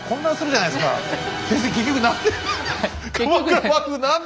先生結局何年？